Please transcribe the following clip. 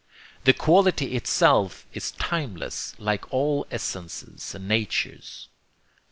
The quality itself is timeless, like all essences and natures.